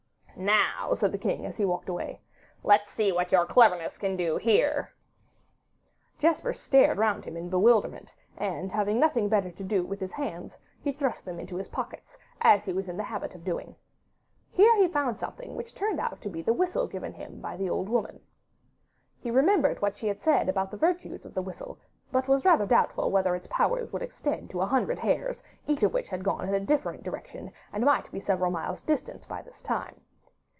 'Now,' said the king, 'as he walked away, 'let's see what your cleverness can do here.' Jesper stared round him in bewilderment, and having nothing better to do with his hands, thrust them into his pockets, as he was in the habit of doing. Here he found something which turned out to be the whistle given to him by the old woman. He remembered what she had said about the virtues of the whistle, but was rather doubtful whether its powers would extend to a hundred hares, each of which had gone in a different direction and might be several miles distant by this time.